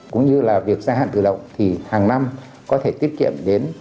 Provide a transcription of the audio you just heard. cũng như là việc gia hạn tự động thì hàng năm có thể tiết kiệm đến